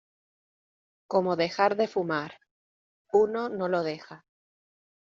como dejar de fumar. uno no lo deja